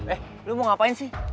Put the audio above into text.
eh lo mau ngapain sih